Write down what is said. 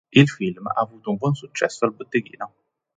Il film ha avuto un buon successo al botteghino.